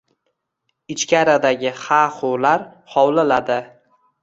Ichkaridagi ha-hular hovliladi.